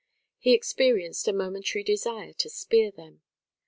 He experienced a momentary desire to spear them.